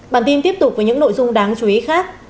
bản tin tiếp tục với những nội dung đáng chú ý khác